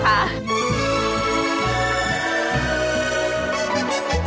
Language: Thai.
ใช้ได้ค่ะ